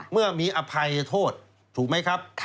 เมื่อมีอภัยโทษถูกไหมครับ